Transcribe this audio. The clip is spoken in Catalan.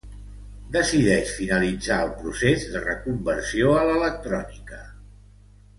Decideix finalitzar el procés de reconversió a l'electrònica.